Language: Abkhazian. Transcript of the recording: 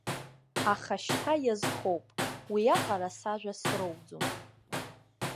Аха шьҭа иазхоуп, уиаҟара сажәа сроуӡом.